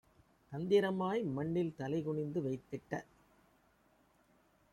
தந்திரமாய் மண்ணில் தலைகுனிந்து வைத்திட்ட